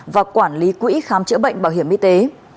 và quản lý quỹ khám chữa bệnh bảo hiểm y tế